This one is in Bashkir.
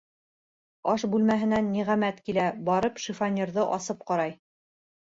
Аш бүлмәһенән Ниғәмәт килә, барып шифоньерҙы асып ҡарай.